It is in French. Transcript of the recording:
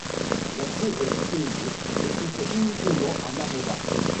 L'accès est peu aisé et se fait uniquement à marée basse.